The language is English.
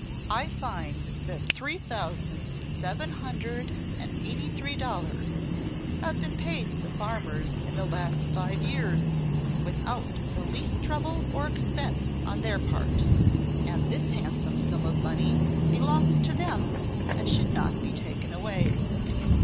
I find that three thousand, seven hundred and eighty three dollars have been paid the farmers in the last five years, without the least trouble or expense on their part; and this handsome sum of money belongs to them and should not be taken away.